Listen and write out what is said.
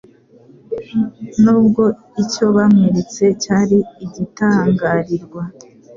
Nubwo icyo bamweretse cyari igitangarirwa,